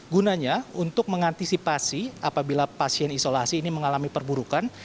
gunanya untuk mengantisipasi apabila pasien isolasi ini mengalami perburukan